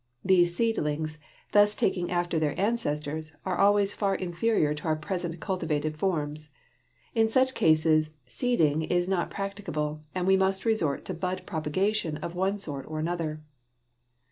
These seedlings, thus taking after their ancestors, are always far inferior to our present cultivated forms. In such cases seeding is not practicable, and we must resort to bud propagation of one sort or another.